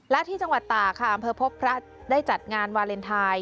และที่จังหวัดตากค่ะอำเภอพบพระได้จัดงานวาเลนไทย